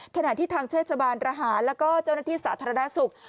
ขณะที่ทางเทศบาลระหารแล้วก็เจ้าหน้าที่สาธารณสุข